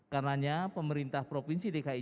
karenanya pemerintah provinsi dki